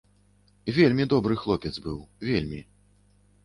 Вельмі добры хлопец быў, вельмі.